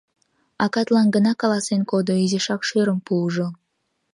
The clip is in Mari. Акатлан гына каласен кодо, изишак шӧрым пуыжо.